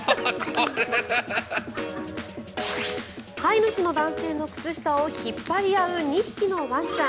買い主の男性の靴下を引っ張り合う２匹のワンちゃん。